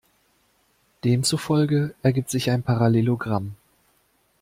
Demzufolge ergibt sich ein Parallelogramm.